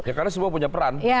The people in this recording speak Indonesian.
ya karena semua punya peran